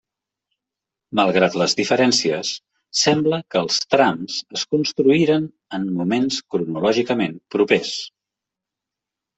Malgrat les diferències, sembla que els trams es construïren en moments cronològicament propers.